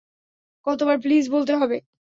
কতবার প্লিজ বলতে হবে?